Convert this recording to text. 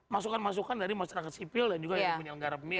masukan masukan dari masyarakat sipil dan juga dari penyelenggara pemilu